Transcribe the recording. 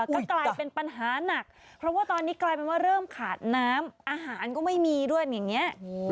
ก็กลายเป็นปัญหานักเพราะว่าตอนนี้เริ่มขาดน้ำอาหารก็ไม่มีด้วย